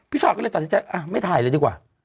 ชาก็เลยตัดสินใจไม่ถ่ายเลยดีกว่า